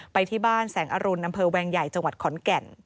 ไปที่บ้านแสงอรุณอำเภอแวงใหญ่จังหวัดขอนแก่น